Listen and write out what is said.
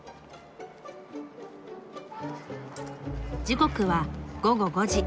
時刻は午後５時。